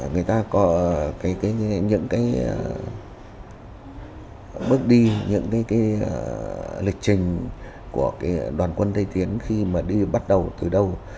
người ta có những cái bước đi những cái lịch trình của đoàn quân tây tiến khi mà đi bắt đầu từ đâu